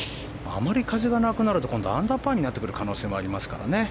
あまり風がなくなるとアンダーパーになってくる可能性もありますからね。